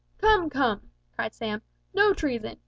"Come, come," cried Sam, "no treason!